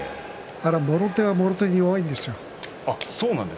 もろ手はもろ手に弱いんですよ。